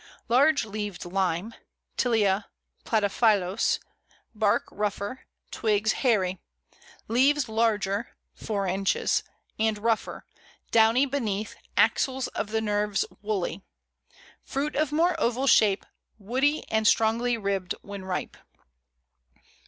LARGE LEAVED LIME (Tilia platyphyllos). Bark rougher. Twigs hairy. Leaves larger (four inches) and rougher, downy beneath, axils of the nerves woolly. Fruit of more oval shape, woody and strongly ribbed when ripe.